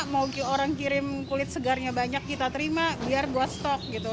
mau orang kirim kulit segarnya banyak kita terima biar buat stok gitu